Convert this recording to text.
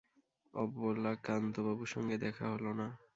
অবলাকান্তবাবুর সঙ্গে দেখা হল না।